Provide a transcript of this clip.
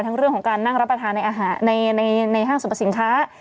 ทั้งเรื่องของการนั่งรับประทานในห้างสมสินค้า